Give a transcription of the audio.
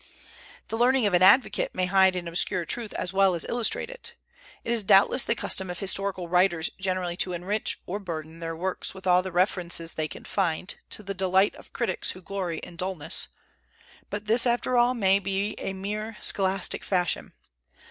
The learning of an advocate may hide and obscure truth as well as illustrate it. It is doubtless the custom of historical writers generally to enrich, or burden, their works with all the references they can find, to the delight of critics who glory in dulness; but this, after all, may be a mere scholastic fashion.